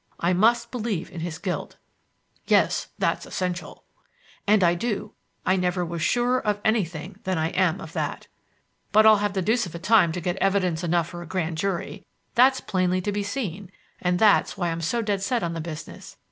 I must believe in his guilt." "Yes, that's essential." "And I do. I never was surer of anything than I am of that. But I'll have the deuce of a time to get evidence enough for a grand jury. That's plainly to be seen, and that's why I'm so dead set on the business.